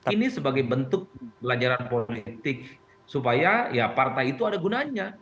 ini sebagai bentuk belajaran politik supaya ya partai itu ada gunanya